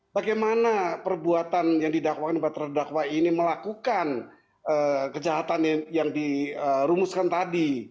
bagaimana perbuatan yang didakwakan kepada terdakwa ini melakukan kejahatan yang dirumuskan tadi